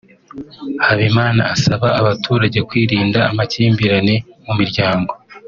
Habimana asaba abaturage kwirinda amakimbirane mu miryango